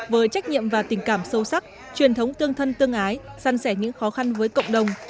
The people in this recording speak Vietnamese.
với trách nhiệm và tình cảm sâu sắc truyền thống tương thân tương ái săn sẻ những khó khăn với cộng đồng